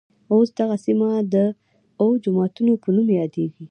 اوس دغه سیمه د اوه جوماتونوپه نوم يادېږي.